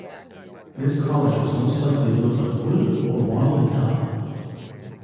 This college was most likely built of wood or wattle and daub.